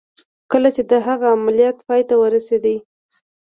کله چې د هغه عملیات پای ته ورسېد